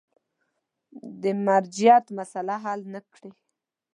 د مرجعیت مسأله حل نه کړي.